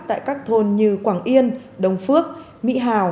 tại các thôn như quảng yên đông phước mỹ hào